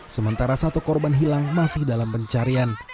sementara satu korban hilang masih dalam pencarian